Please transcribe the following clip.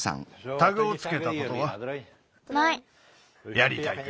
やりたいか？